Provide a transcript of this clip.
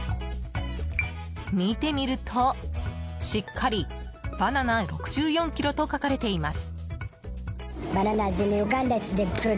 見てみると、しっかりバナナ６４ｋｇと書かれています。